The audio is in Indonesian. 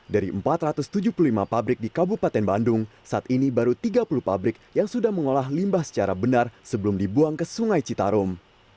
dari empat ratus tujuh puluh lima pabrik di kabupaten bandung saat ini baru tiga puluh pabrik yang sudah mengolah limbah secara benar sebelum dibuang ke sungai citarum